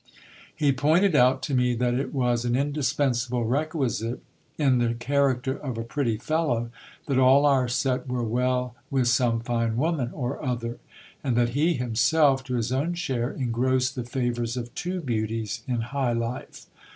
He pointed out to me that it was an indispensable requisite in the cha racter of a pretty fellow, that all our set were well with some fine woman or other ; and that he himself, to his own share, engrossed the favours of two beauties in high life.